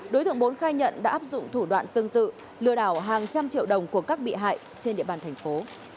đối tượng bốn khai nhận đã áp dụng thủ đoạn tương tự lừa đảo hàng trăm triệu đồng của các bị hại trên địa bàn thành phố